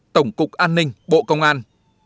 tổng cục an ninh bộ công an